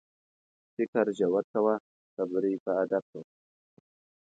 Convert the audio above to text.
فکر ژور کوه، خبرې په ادب کوه.